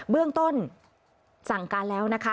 เบื้องต้นสั่งการแล้วนะคะ